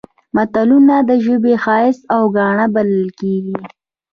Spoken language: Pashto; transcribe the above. متلونه د ژبې ښایست او ګاڼه بلل کېږي